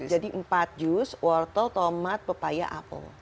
jadi empat jus wortel tomat pepaya apel